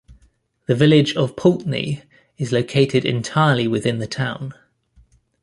The village of Poultney is located entirely within the town.